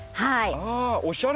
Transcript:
ああおしゃれ！